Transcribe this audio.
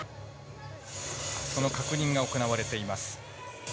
確認が行われています。